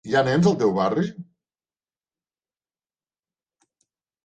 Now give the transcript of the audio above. Hi ha nens al teu barri?